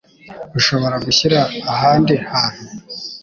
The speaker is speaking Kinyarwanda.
Ushobora gushyira ahandi hantu?